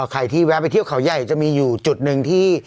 ใครที่แวะไปเที่ยวเขาใหญ่จะมีอยู่จุดหนึ่งที่